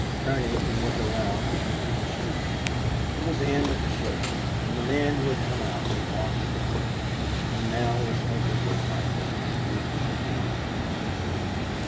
Turning, he went around and to the street. It was the end of a shift, and the men who had come out had washed, eaten and now were smoking their pipes in groups at one or another door.